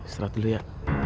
setelah dulu ya